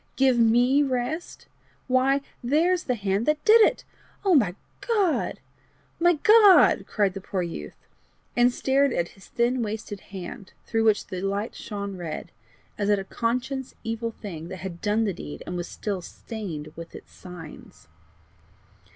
Give ME rest! why there's the hand that did it! O my God! my God!" cried the poor youth, and stared at his thin wasted hand, through which the light shone red, as at a conscious evil thing that had done the deed, and was still stained with its signs.